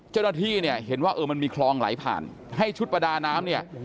เจ้าหน้าที่เนี่ยเห็นว่าเออมันมีคลองไหลผ่านให้ชุดประดาน้ำเนี่ย